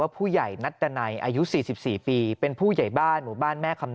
ผู้ใหญ่นัดดันัยอายุ๔๔ปีเป็นผู้ใหญ่บ้านหมู่บ้านแม่คำน